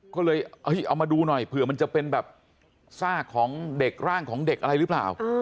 ก็เลยเอามาดูหน่อยเผื่อมันจะเป็นแบบซากของเด็กร่างของเด็กอะไรหรือเปล่า